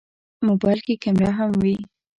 موبایل کې کیمره هم وي.